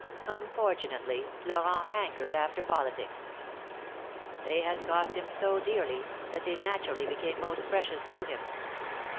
Unfortunately, Florent hankered after politics. They had cost him so dearly, that they naturally became most precious to him.